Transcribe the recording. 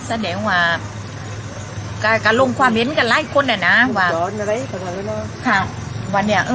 สุดท้ายสุดท้ายสุดท้ายสุดท้าย